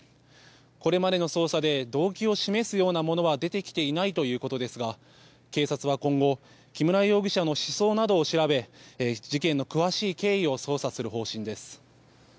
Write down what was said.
これまでの捜査で動機を示すようなものは出てきていないということですが警察は、今後木村容疑者の思想などを調べ事件の詳しい経緯を捜査する方針です。